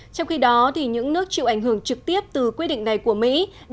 trong khi đó những nước chịu ảnh hưởng trực tiếp từ quyết định này của mỹ